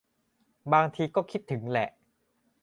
บางทีก็คิดถึงแหละ